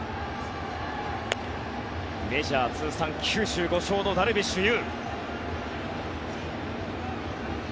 メジャー通算９５勝のダルビッシュ有。